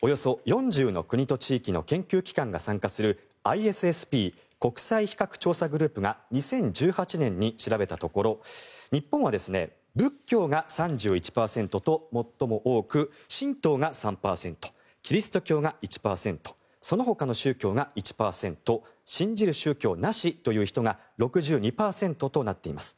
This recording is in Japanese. およそ４０の国と地域の研究機関が参加するＩＳＳＰ・国際比較調査グループが２０１８年に調べたところ日本は仏教が３１％と最も多く神道が３％キリスト教が１％そのほかの宗教が１％信じる宗教なしという人が６２％となっています。